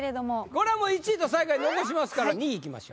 これはもう１位と最下位残しますから２位いきましょう。